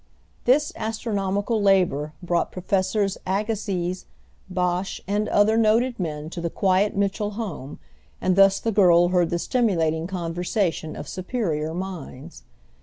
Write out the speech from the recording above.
This astronomical labor brought Professors Agassiz, Bache, and other noted men to the quiet Mitchell home, and thus the girl heard the stimulating conversation of superior minds.